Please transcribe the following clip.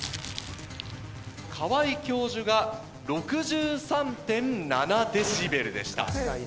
川井教授が６３．７ｄＢでした。